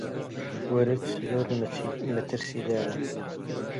ورچ زۆر مەترسیدارە.